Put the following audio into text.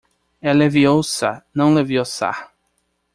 É LeviÔsa, não LeviosÁ